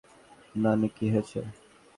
নানি, কী হয়েছে?